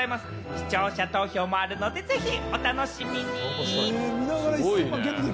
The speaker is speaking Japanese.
視聴者投票もあるので、ぜひお楽しみに。